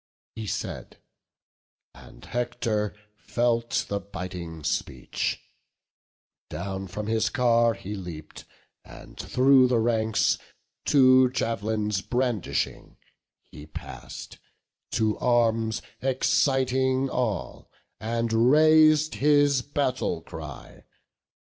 He said; and Hector felt the biting speech; Down from his car he leap'd; and through the ranks, Two jav'lins brandishing, he pass'd, to arms Exciting all, and rais'd his battle cry.